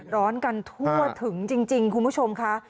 ร้อนกันทั่วถึงจริงคุณผู้ชมค่ะ